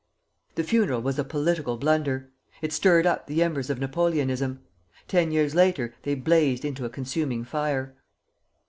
The funeral was a political blunder. It stirred up the embers of Napoleonism. Ten years later they blazed into a consuming fire.